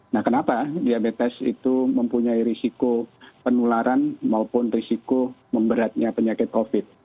nah kenapa diabetes itu mempunyai risiko penularan maupun risiko memberatnya penyakit covid